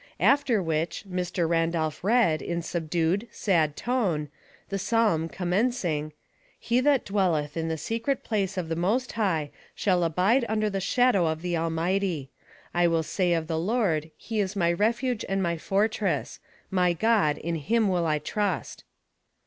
After which, Mr. Randolph read, in subdued, sad tone, the psalm commencing, '' He that dwelleth in the secret place of the Most High shall abide under the shadow of the Almighty. I will say of the Lord, He is my refuge and my fortress: my God; in him will I trust."